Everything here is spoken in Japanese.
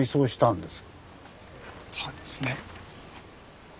そうです。